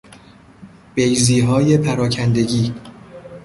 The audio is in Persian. بیضیهای پراکندگی